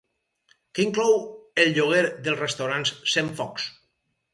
Què inclou el lloguer del restaurant Centfocs?